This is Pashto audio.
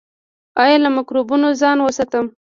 ایا له مکروبونو ځان وساتم؟